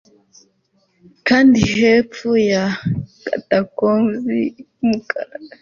kandi hepfo ya catacombs yumukara